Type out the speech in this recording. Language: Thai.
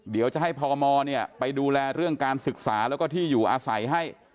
เดี๋ยวจะให้พมไปดูแลเรื่องการศึกษาแล้วก็ที่อยู่อาศัยให้